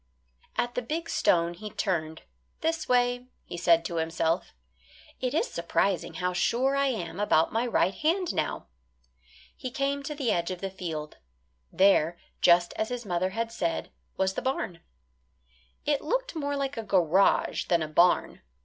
At the big stone he turned this way he said to himself. "It is surprising how sure I am about my right hand now." He came to the edge of the field. There, just as his mother had said, was the barn. It looked more like a garage than a barn.